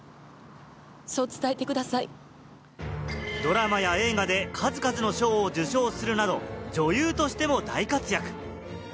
ドラマや映画で数々の賞を受賞するなど、女優としても大活躍。